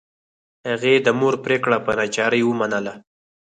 هغې د مور پریکړه په ناچارۍ ومنله